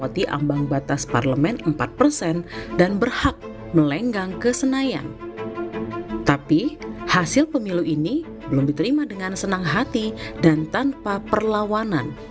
kita juga kepentingan kepada kebersamaan